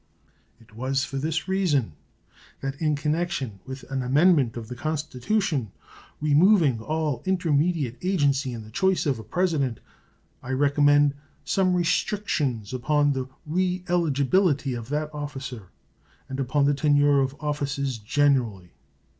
It was for this reason that, in connection with an amendment of the Constitution removing all intermediate agency in the choice of the President, I recommended some restrictions upon the re eligibility of that officer and upon the tenure of offices generally.